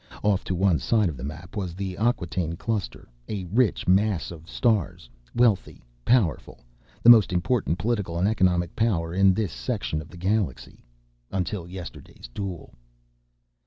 Off to one side of the map was the Acquataine Cluster, a rich mass of stars—wealthy, powerful, the most important political and economic power in the section of the galaxy. Until yesterday's duel.